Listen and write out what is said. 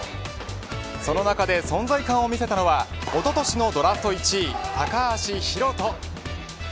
その中で存在感を見せたのはおととしのドラフト１位高橋宏斗。